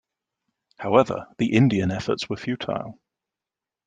However, the Indian efforts were futile.